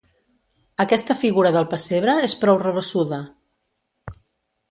Aquesta figura del pessebre és prou rabassuda.